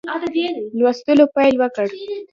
لوستلو پیل وکړ.